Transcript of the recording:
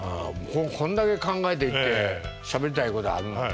こんだけ考えてきてしゃべりたいことあるのにね。